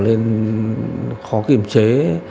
nên khó kiểm chế